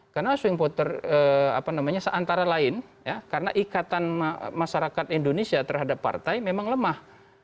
karena swing voter apa namanya seantara lain karena ikatan masyarakat indonesia terhadap partai memang lemah